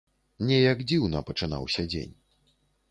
Неяк дзіўна пачынаўся дзень.